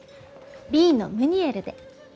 Ｂのムニエルで。